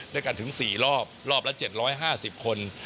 ด้วยกันถึง๔รอบรอบละ๗๕๐คน